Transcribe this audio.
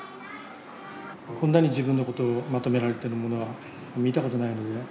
こんなに自分のことをまとめられているものは見たことないので。